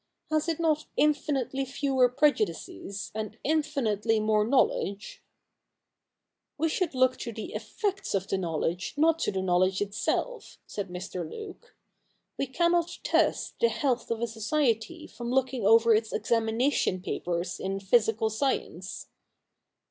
Has it not infinitely fewer prejudices and infinitely more knowledge ?'' We should look to the effects of the knowledge, not to the knowledge itself,' said Mr. Luke. ' We cannot test the health of a society from looking over its examination papers in physical science.'